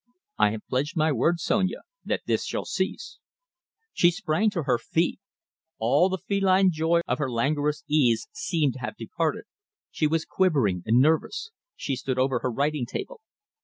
I have pledged my word, Sonia, that this shall cease." She sprang to her feet. All the feline joy of her languorous ease seemed to have departed. She was quivering and nervous. She stood over her writing table.